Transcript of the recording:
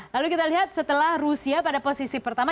lalu kita lihat setelah rusia pada posisi pertama